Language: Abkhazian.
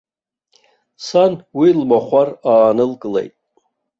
Сан уи лмахәар аанылкылеит.